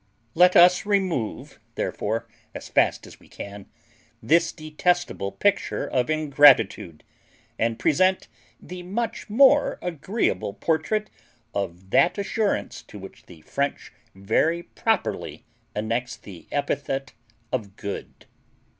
Let us remove, therefore, as fast as we can, this detestable picture of ingratitude, and present the much more agreeable portrait of that assurance to which the French very properly annex the epithet of good.